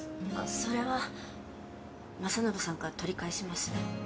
それは政信さんから取り返します